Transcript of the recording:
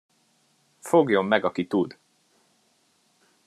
Fogjon meg, aki tud!